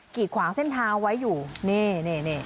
กีดขวางเส้นเท้าไว้อยู่นี่